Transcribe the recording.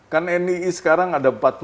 kan nii sekarang ada empat puluh dua kelompok